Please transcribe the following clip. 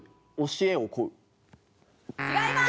違います！